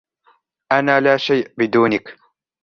أنا لا شئ بدونك.